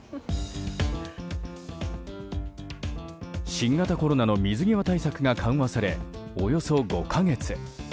新型コロナの水際対策が緩和され、およそ５か月。